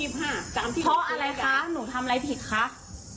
เอ้าก็เรียนออนไลน์เรียนหน้าคอม